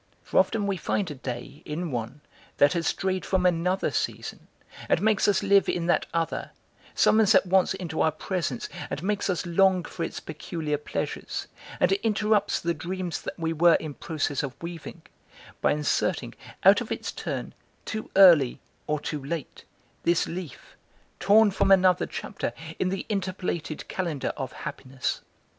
For often we find a day, in one, that has strayed from another season, and makes us live in that other, summons at once into our presence and makes us long for its peculiar pleasures, and interrupts the dreams that we were in process of weaving, by inserting, out of its turn, too early or too late, this leaf, torn from another chapter, in the interpolated calendar of Happiness.